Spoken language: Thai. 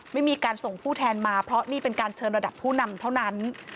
ไม่มีการส่งผู้แทนมาเพราะนี่เป็นการเชิญระดับผู้นำเท่านั้น